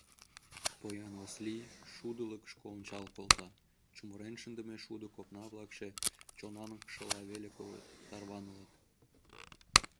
Поян Васлий шудылыкышко ончал колта, чумырен шындыме шудо копна-влакше чонаҥшыла веле койыт, тарванылыт.